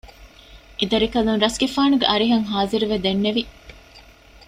އެދަރިކަލުން ރަސްގެފާނުގެ އަރިހަށް ޚާޒިރުވެ ދެންނެވި